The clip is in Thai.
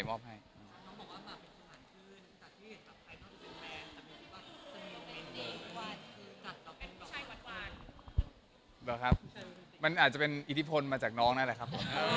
เราเป็นผู้ชายมุมมิงขึ้นไหมครับ